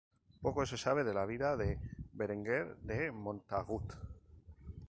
Poco se sabe de la vida de Berenguer de Montagut.